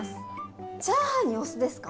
チャーハンにお酢ですか？